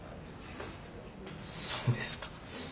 そうですか。